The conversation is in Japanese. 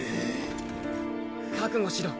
覚悟しろ。